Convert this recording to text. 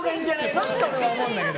って俺は思うんだけど。